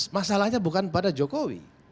masalahnya bukan pada jokowi